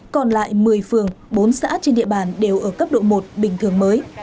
còn lại một mươi phường bốn xã trên địa bàn đều ở cấp độ một bình thường mới